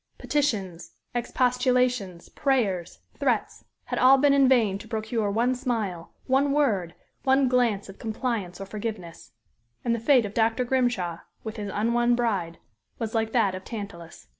Petitions, expostulations, prayers, threats, had been all in vain to procure one smile, one word, one glance of compliance or forgiveness. And the fate of Dr. Grimshaw, with his unwon bride, was like that of Tantalus.